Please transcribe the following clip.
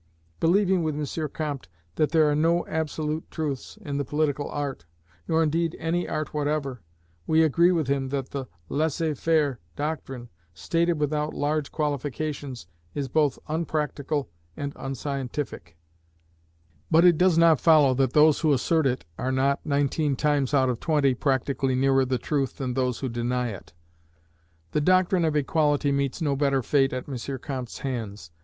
Believing with M. Comte that there are no absolute truths in the political art, nor indeed in any art whatever, we agree with him that the laisser faire doctrine, stated without large qualifications, is both unpractical and unscientific; but it does not follow that those who assert it are not, nineteen times out of twenty, practically nearer the truth than those who deny it. The doctrine of Equality meets no better fate at M. Comte's hands.